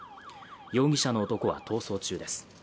容疑者の男は逃走中です。